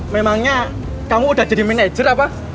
memangnya kamu udah jadi manajer apa